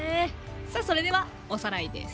さあそれではおさらいです。